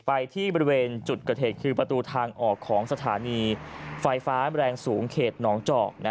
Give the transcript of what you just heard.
ไปที่บริเวณจุดเกิดเหตุคือประตูทางออกของสถานีไฟฟ้าแรงสูงเขตหนองเจาะ